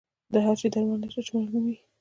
د هر شي درملنه شته چې مرګ نومېږي.